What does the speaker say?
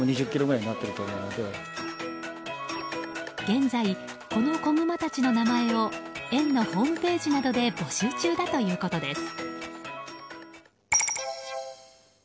現在、この子グマたちの名前を園のホームページなどで募集中だということです。